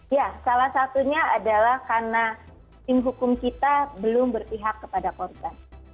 ya salah satunya adalah karena tim hukum kita belum berpihak kepada korban